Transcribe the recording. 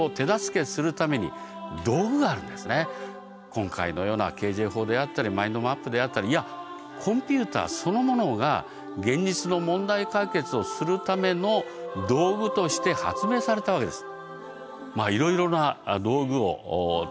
今回のようなＫＪ法であったりマインドマップであったりいやコンピューターそのものが現実の問題解決をするための道具として発明されたわけです。